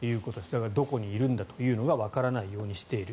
だからどこにいるんだというのがわからないようにしている。